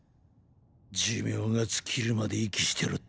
寿命が尽きるまで息してろって？